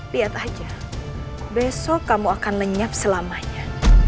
lihat aja besok kamu akan lenyap selamanya